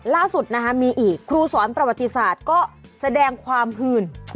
ล่าสุดนะคะมีอีกครูสอนประวัติศาสตร์ก็แสดงความหื่น